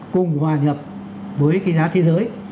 cùng hòa nhập với cái giá thế giới